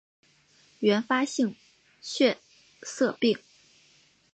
原发性血色病